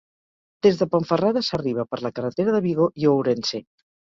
Des de Ponferrada s'arriba per la carretera de Vigo i Ourense.